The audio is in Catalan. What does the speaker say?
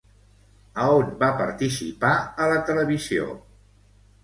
A on va participar a la televisió?